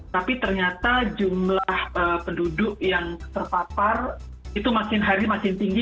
tapi ternyata jumlah penduduk yang terpapar itu makin hari makin tinggi